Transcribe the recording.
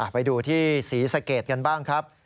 ไปดูที่ศรีสะเกดกันบ้างครับ